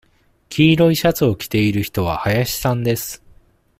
黄色いシャツを着ている人は林さんです。